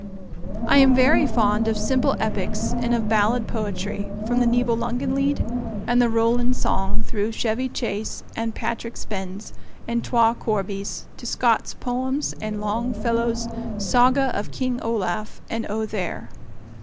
I am very fond of simple epics and of ballad poetry, from the Nibelungenlied and the Roland song through "Chevy Chase" and "Patrick Spens" and "Twa Corbies" to Scott's poems and Longfellow's "Saga of King Olaf" and "Othere."